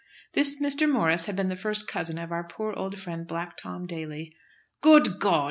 This Mr. Morris had been the first cousin of our poor old friend Black Tom Daly. "Good God!"